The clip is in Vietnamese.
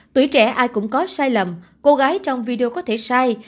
tuổi trẻ ai cũng có sai lầm cô gái trong video có thể sai